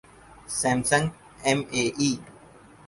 Samsung M A E